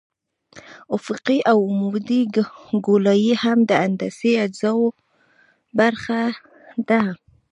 افقي او عمودي ګولایي هم د هندسي اجزاوو برخه ده